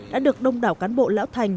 đã được đông đảo cán bộ lão thành